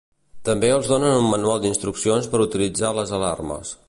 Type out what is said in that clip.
També els donen un manual d'instruccions per utilitzar les alarmes.